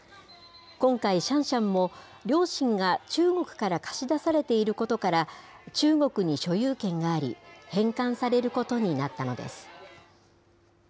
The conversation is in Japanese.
今回、シャンシャンも、両親が中国から貸し出されていることから、中国に所有権があり、返還されることになったのです。